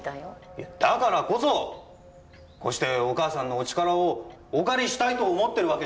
いやだからこそこうしてお母さんのお力をお借りしたいと思ってるわけじゃ。